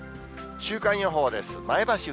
週間予報です。